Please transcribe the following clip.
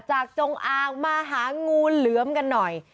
จงอางมาหางูเหลือมกันหน่อย